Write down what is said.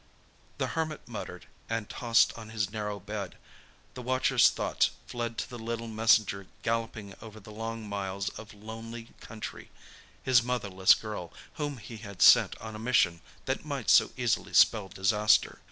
The Hermit muttered and tossed on his narrow bed. The watcher's thoughts fled to the little messenger galloping over the long miles of lonely country—his motherless girl, whom he had sent on a mission that might so easily spell disaster.